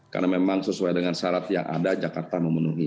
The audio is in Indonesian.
karena memang sesuai dengan syarat yang ada jakarta memenuhi